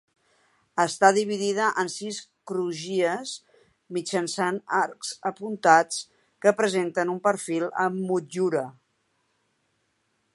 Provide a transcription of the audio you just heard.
Està dividida en sis crugies mitjançant arcs apuntats que presenten un perfil amb motllura.